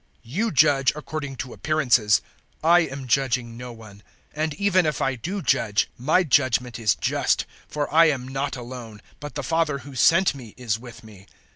008:015 You judge according to appearances: I am judging no one. 008:016 And even if I do judge, my judgement is just; for I am not alone, but the Father who sent me is with me.